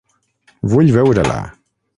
Vull veure-la.